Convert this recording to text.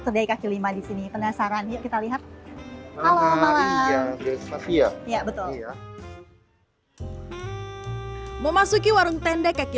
kedai kaki lima di sini penasaran yuk kita lihat halo malam iya betul ya memasuki warung tenda kaki